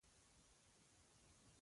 ژوندي روغه جوړه غواړي